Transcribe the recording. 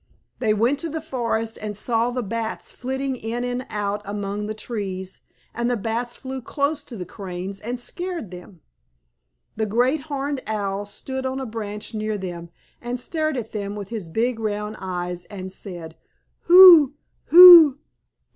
They went to the forest, and saw the Bats flitting in and out among the trees, and the Bats flew close to the Cranes and scared them. The Great Horned Owl stood on a branch near them, and stared at them with his big round eyes, and said, "Who? Who?